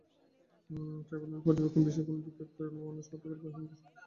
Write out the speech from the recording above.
ট্রাইব্যুনালের পর্যবেক্ষণ, বিশ্বের কোনো বিবেকমান মানুষ হত্যাকারী বাহিনীর প্রশংসা করতে পারে না।